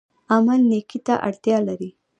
عمل نیکۍ ته اړتیا لري